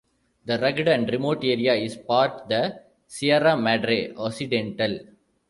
The rugged and remote area is part the Sierra Madre Occidental.